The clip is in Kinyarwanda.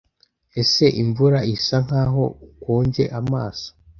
Ese imvura isa nkaho ukonje amaso? "